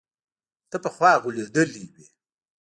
ته پخوا غولېدلى وي.